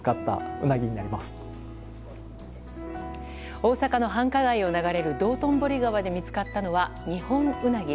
大阪の繁華街を流れる道頓堀川で見つかったのは二ホンウナギ。